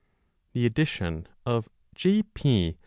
The edition of J.